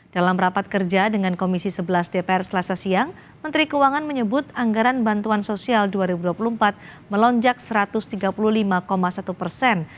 dalam rapat kerja dengan komisi sebelas dpr selasa siang menteri keuangan menyebut anggaran bantuan sosial dua ribu dua puluh empat melonjak satu ratus tiga puluh lima satu persen